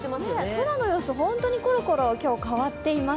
空の様子、本当にころころ今日、変わっています。